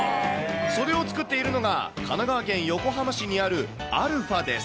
それを作っているのが、神奈川県横浜市にあるアルファです。